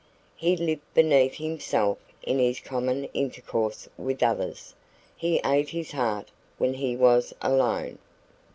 He lived beneath himself in his common intercourse with others; he ate his heart when he was alone.